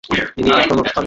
তিনি এখনো নোটিস পান নি।